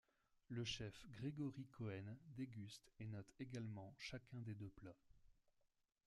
Le Chef Grégory Cohen déguste et note également chacun des deux plats.